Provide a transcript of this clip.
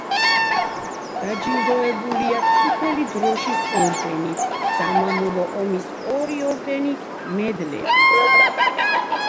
დაჯილდოებულია წითელი დროშის ორდენით, სამამულო ომის ორი ორდენით, მედლებით.